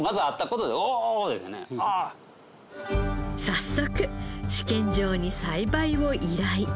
早速試験場に栽培を依頼。